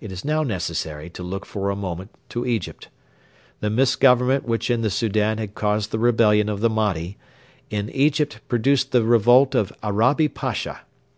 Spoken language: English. It is now necessary to look for a moment to Egypt. The misgovernment which in the Soudan had caused the rebellion of the Mahdi, in Egypt produced the revolt of Arabi Pasha.